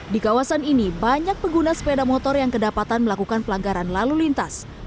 di kawasan ini banyak pengguna sepeda motor yang kedapatan melakukan pelanggaran lalu lintas